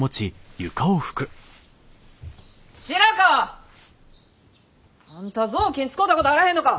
白川！あんた雑巾使たことあらへんのか。